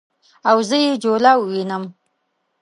او زه یې جوله ووینم